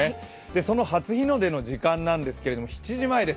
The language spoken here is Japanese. その初日の出の時間なんですけれども７時前です。